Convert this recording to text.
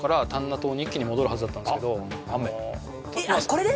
これで！？